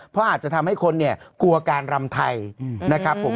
เพราะอาจจะทำให้คนเนี่ยกลัวการรำไทยนะครับผม